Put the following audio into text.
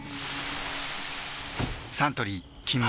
サントリー「金麦」